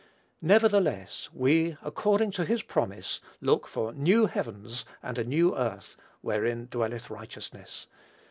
Nevertheless we, according to his promise, look for new heavens and a new earth, wherein dwelleth righteousness."